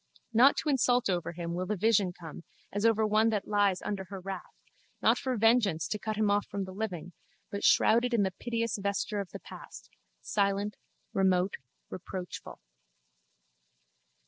Not to insult over him will the vision come as over one that lies under her wrath, not for vengeance to cut him off from the living but shrouded in the piteous vesture of the past, silent, remote, reproachful.